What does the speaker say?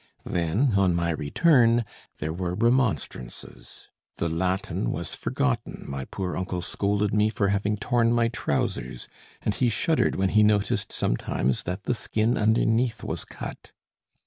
Then, on my return, there were remonstrances: the Latin was forgotten, my poor uncle scolded me for having torn my trousers, and he shuddered when he noticed sometimes that the skin underneath was cut.